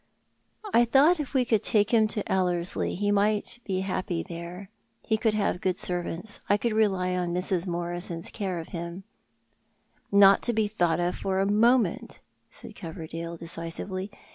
" I thought if we could take him to Ellerslie he might be happy there. He could have good servants. I could rely upon Mrs. Morison's care of him "" Not to be thought of for a moment !" said Coverdale, decisively.